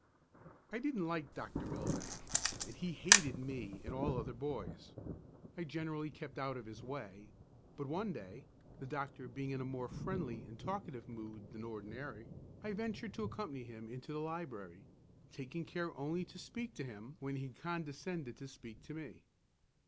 I didn't like Dr. Millbank, and he hated me and all other boys. I generally kept out of his way; but one day, the doctor being in a more friendly and talkative mood than ordinary, I ventured to accompany him into the library, taking care only to speak to him when he condescended to speak to me.